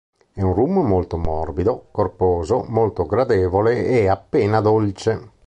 È un rum molto morbido, corposo, molto gradevole e appena dolce.